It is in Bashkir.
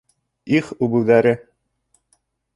Их, үбеүҙәре!